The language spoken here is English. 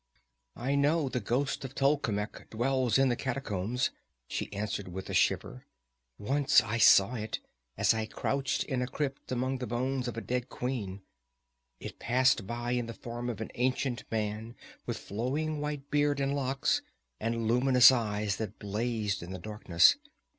"I know the ghost of Tolkemec dwells in the catacombs," she answered with a shiver. "Once I saw it, as I crouched in a crypt among the bones of a dead queen. It passed by in the form of an ancient man with flowing white beard and locks, and luminous eyes that blazed in the darkness.